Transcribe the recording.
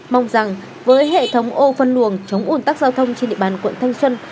mong rằng với hệ thống ô phân luồng chống ủn tắc giao thông trên địa bàn quận thanh xuân